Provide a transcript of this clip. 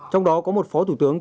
trong đó có một phó thủ tướng